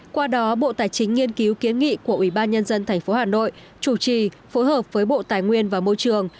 qua đó bộ tài chính nghiên cứu kiến nghị của ủy ban nhân dân tp hà nội chủ trì phối hợp với bộ tài nguyên và môi trường